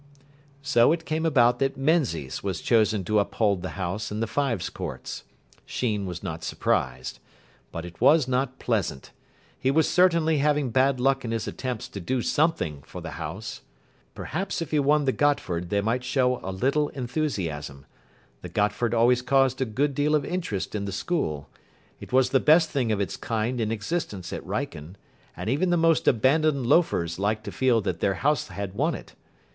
So it came about that Menzies was chosen to uphold the house in the Fives Courts. Sheen was not surprised. But it was not pleasant. He was certainly having bad luck in his attempts to do something for the house. Perhaps if he won the Gotford they might show a little enthusiasm. The Gotford always caused a good deal of interest in the school. It was the best thing of its kind in existence at Wrykyn, and even the most abandoned loafers liked to feel that their house had won it.